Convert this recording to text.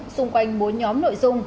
xung quanh bốn nhóm nội dung